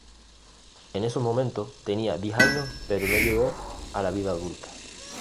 En esos momentos tenía diez años pero no llegó a la vida adulta.